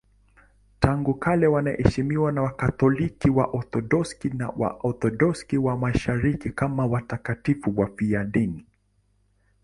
Tangu kale wanaheshimiwa na Wakatoliki, Waorthodoksi na Waorthodoksi wa Mashariki kama watakatifu wafiadini.